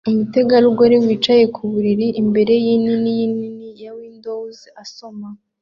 Umutegarugori wicaye ku buriri imbere yinini nini ya windows asoma